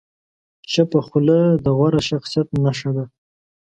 چپه خوله، د غوره شخصیت نښه ده.